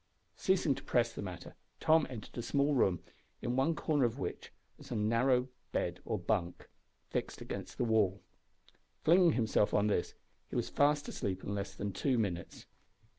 Ceasing to press the matter, Tom entered a small room, in one corner of which a narrow bed, or bunk, was fixed. Flinging himself on this, he was fast asleep in less than two minutes.